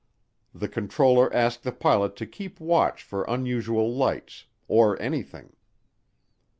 The controller asked the pilot to keep watch for unusual lights or anything.